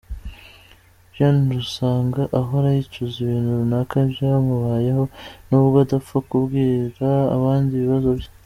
Jeanne usanga ahora yicuza ibintu runaka byamubayeho, nubwo adapfa kubwira abandi ibibazo bye.